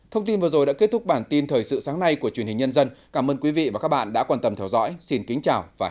thông tin vừa rồi đã kết thúc bản tin thời sự sáng nay của truyền hình nhân dân cảm ơn quý vị và các bạn đã quan tâm theo dõi xin kính chào và hẹn gặp lại